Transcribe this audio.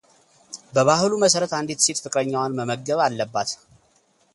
በባህሉ መሠረት አንዲት ሴት ፍቅረኛዋን መመገብ አለባት፡፡